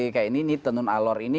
kaya ini tenun alor ini